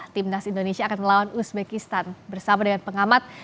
timnas indonesia akan melawan uzbekistan bersama dengan pengamat